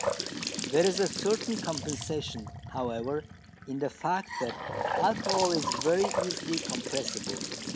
There is a certain compensation, however, in the fact that alcohol is very easily compressible.